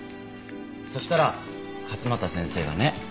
そしたら勝又先生がね。